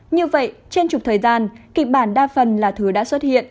như vậy trên chục thời gian kịch bản đa phần là thứ đã xuất hiện